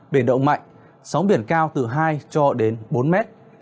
biển động mạnh sóng biển cao từ hai cho đến bốn mét